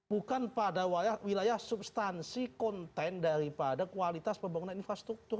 bukan pada wilayah substansi konten daripada kualitas pembangunan infrastruktur